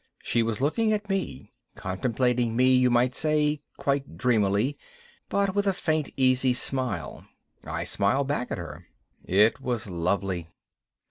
She was looking at me, contemplating me you might say, quite dreamily but with a faint, easy smile. I smiled back at her. It was lovely.